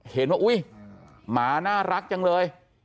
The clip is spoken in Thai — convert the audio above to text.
เห็นว่าอุ้ยหมาน่ารักจังเลย